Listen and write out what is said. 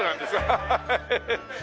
ハハハ。